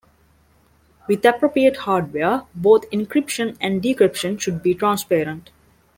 With appropriate hardware, both encryption and decryption should be transparent.